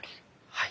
はい。